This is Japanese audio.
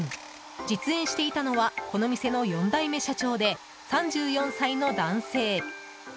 実演していたのは、この店の４代目社長で３４歳の男性。